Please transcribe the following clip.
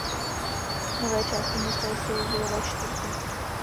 Nové části města jsou vilové čtvrti.